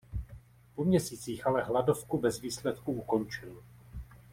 Po měsících ale hladovku bez výsledku ukončil.